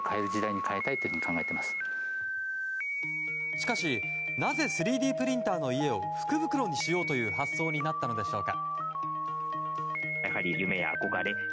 しかし、なぜ３Ｄプリンターの家を福袋にしようという発想になったのでしょうか。